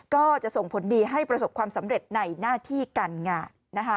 ก็จะส่งผลดีให้ประสบความสำเร็จในหน้าที่การงาน